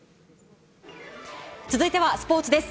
続いてはスポーツです。